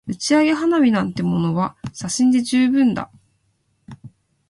打ち上げ花火なんてものは写真で十分だ